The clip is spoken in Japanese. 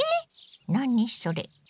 何それ？